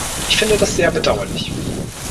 Ich finde das sehr bedauerlich.